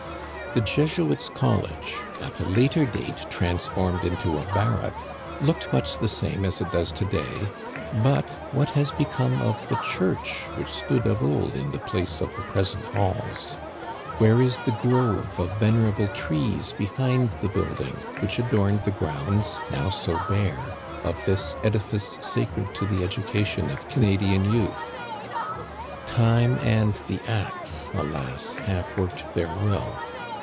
The Jesuits' College, at a later date transformed into a barrack, looked much the same as it does to day ; but what has become of the church which stood of old in the place of the present halls ? Where is the grove of venerable trees behind the building, which adorned the grounds, now so bare, of this edifice sacred to the edu cation of Canadian youth ? Time and the axe, alas ! have worked their will.